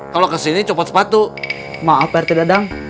kalau kesini copot sepatu maaf pak rt dadang